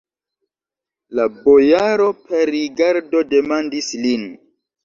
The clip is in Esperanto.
La bojaro per rigardo demandis lin.